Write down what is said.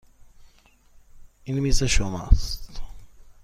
این میز شماست.